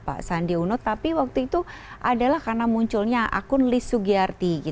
pak sandiaga uno tapi waktu itu adalah karena munculnya akun list sugiyarti gitu